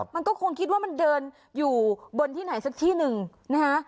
มันก็คงคิดว่ามันเดินอยู่บนที่ไหนสักที่หนึ่งนะฮะ